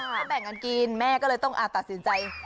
เขาแบ่งกันกินแม่ก็เลยต้องตัดสินใจ